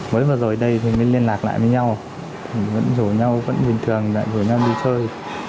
mới vừa rồi đây thì mới liên lạc lại với nhau vẫn rủ nhau vẫn bình thường lại rủ nhau đi chơi